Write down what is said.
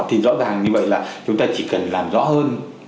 thì rõ ràng như vậy là chúng ta chỉ cần làm rõ hơn